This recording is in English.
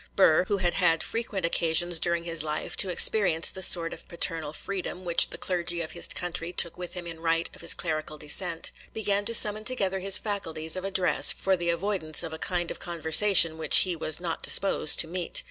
Burr, who had had frequent occasions during his life to experience the sort of paternal freedom which the clergy of his country took with him in right of his clerical descent, began to summon together his faculties of address for the avoidance of a kind of conversation which he was not disposed to meet.